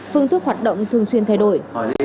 phương thức hoạt động thường xuyên thay đổi